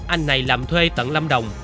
anh này làm thuê tận lâm đồng